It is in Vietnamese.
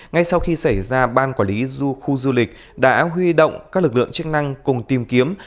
ngay sau khi xảy ra ban quản lý khu du lịch đã huy động các lực lượng chức năng cùng tìm kiếm